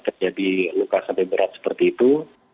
terjadi luka sampai berat seperti itu